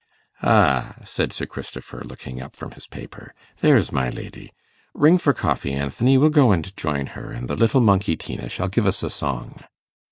'Ah,' said Sir Christopher, looking up from his paper, 'there's my lady. Ring for coffee, Anthony; we'll go and join her, and the little monkey Tina shall give us a song.